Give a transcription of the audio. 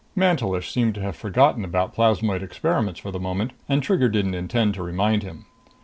Mantelish seemed to have forgotten about plasmoid experiments for the moment, and Trigger didn't intend to remind him.